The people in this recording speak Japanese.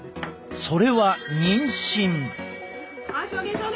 それは妊娠。